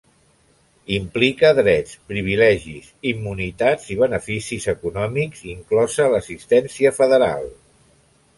Implica drets, privilegis, immunitats i beneficis econòmics, inclosa l'assistència federal.